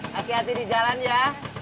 hati hati di jalan ya